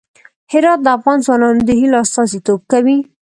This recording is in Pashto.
هرات د افغان ځوانانو د هیلو استازیتوب کوي.